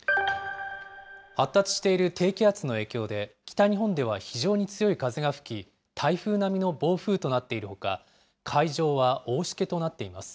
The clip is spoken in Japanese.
発達している低気圧の影響で北日本では非常に強い風が吹き、台風並みの暴風となっているほか、海上は大しけとなっています。